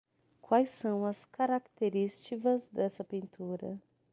Quais são as característivas dessa pintura.